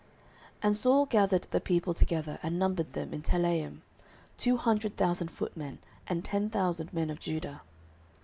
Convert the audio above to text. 09:015:004 And Saul gathered the people together, and numbered them in Telaim, two hundred thousand footmen, and ten thousand men of Judah.